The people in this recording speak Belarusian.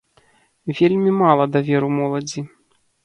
Вельмі мала даверу моладзі.